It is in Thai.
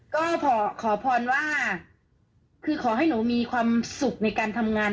ก็ขอพรว่าคือขอให้หนูมีความสุขในการทำงาน